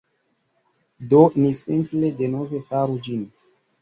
Do, ni simple denove faru ĝin